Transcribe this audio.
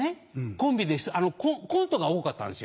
コンビでコントが多かったんです。